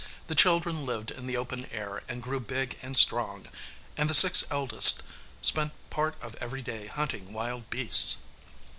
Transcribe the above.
The children lived in the open air and grew big and strong, and the six eldest spent part of every day hunting wild beasts.